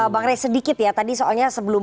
bang rey sedikit ya tadi soalnya sebelum